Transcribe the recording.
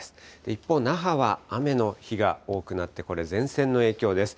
一方、那覇は雨の日が多くなって、これ、前線の影響です。